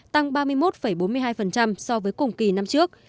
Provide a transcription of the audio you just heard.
tăng ba mươi một bốn mươi hai so với cùng kỳ năm trước